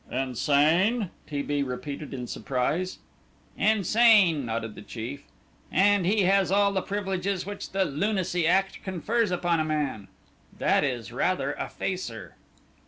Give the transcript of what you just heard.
"Insane?" T. B. repeated in surprise. "Insane," nodded the chief; "and he has all the privileges which the Lunacy Act confers upon a man. That is rather a facer."